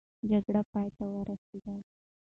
جګړه پای ته ورسېده.